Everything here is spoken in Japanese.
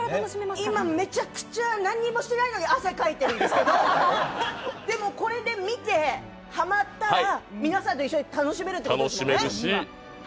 今めちゃくちゃ何もしてないのに汗かいてるんですけどでもこれで見てハマったら、皆さんと一緒に楽しめるってことですよね。